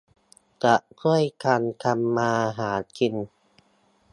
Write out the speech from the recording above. จะช่วยกันทำมาหากิน